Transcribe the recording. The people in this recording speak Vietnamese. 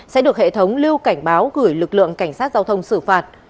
sẽ được hệ thống lưu cảnh báo gửi lực lượng cảnh sát giao thông xử phạt